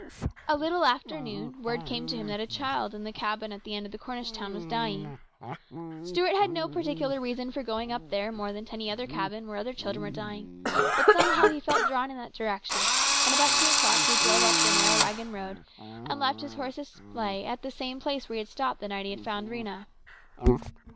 A little after noon word came to him that the child in the cabin at the end of Cornish town was dying. Stuart had no particular reason for going up there more than to any other cabin where other children were dying, but somehow he felt drawn in that direction, and about two o'clock he drove up DISAPPOINTMENT. 223 the narrow waggon road and left his horse and sleigh at the same place where he had stopped the night he had found Rhena.